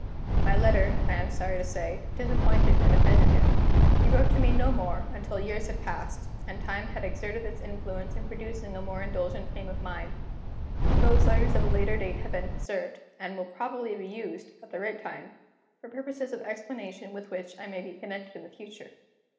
My letter, I am sorry to say, disappointed and offended him. He wrote to me no more, until years had passed, and time had exerted its influence in producing a more indulgent frame of mind. These letters of a later date have been preserved, and will probably be used, at the right time, for purposes of explanation with which I may be connected in the future.